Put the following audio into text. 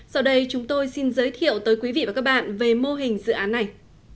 sau đây chúng tôi xin giới thiệu tới quý vị và các bạn về mô hình dự án này